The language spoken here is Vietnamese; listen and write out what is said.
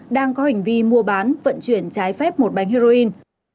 đang có hành vi mua bán vận chuyển trái phép một bánh heroin